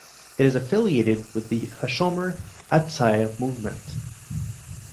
It is affiliated with the Hashomer Hatzair movement.